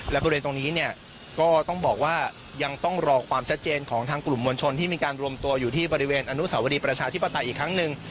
และบริเวณตรงนี้เนี่ยก็ต้องบอกว่ายังต้องรอความชัดเจนของทางกลุ่มมวลชนที่มีการรวมตัวอยู่ที่บริเวณอนุสาวรีประชาธิปไตยอีกครั้งหนึ่ง